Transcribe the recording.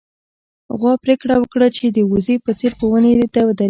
غوا پرېکړه وکړه چې د وزې په څېر په ونې ودرېږي.